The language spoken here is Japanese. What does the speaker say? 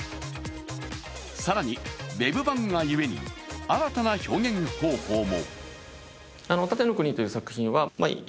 更にウェブ漫画ゆえに新たな表現方法も。